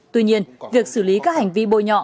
tuy nhiên việc xử lý các hành vi bôi nhọ